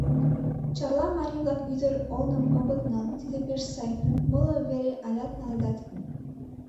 Чарла марий-влак ӱдыр олным огыт нал — тиде пеш сай, моло вере алят наледат.